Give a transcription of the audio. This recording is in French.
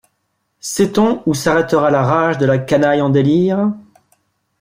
Sait-on où s'arrêtera la rage de la canaille en délire?